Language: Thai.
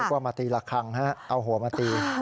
นึกว่ามาตีระคังเอาหัวมาตี